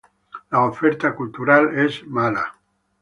La oferta cultural es mala.